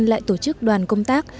lại tổ chức đoàn công tác